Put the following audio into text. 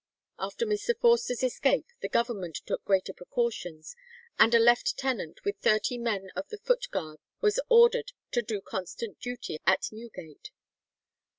After Mr. Forster's escape the Government took greater precautions, and a lieutenant with thirty men of the Foot Guards was ordered to do constant duty at Newgate.